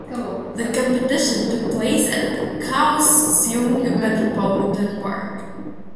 The competition took place at Kaohsiung Metropolitan Park.